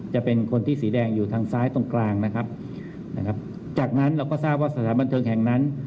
จะเป็นคนที่สีแดงอยู่ทางซ้ายตรงกลางนะครับนะครับจากนั้นเราก็ทราบว่าสถานบันเทิงแห่งนั้น